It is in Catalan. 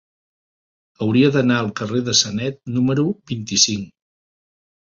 Hauria d'anar al carrer de Sanet número vint-i-cinc.